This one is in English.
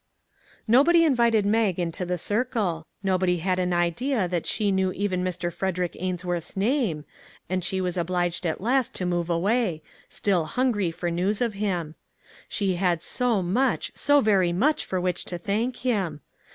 Nobody invited Mag into the circle; nobody had an idea that she knew even Mr. Frederick 345 MAG AND MARGARET Ainsworth's name, and she was obliged at last to move away, still hungry for news of him. She had so much, so very much for which to thank him